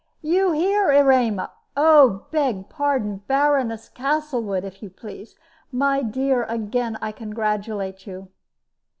"You here, Erema! Oh, I beg pardon Baroness Castlewood, if you please. My dear, again I congratulate you."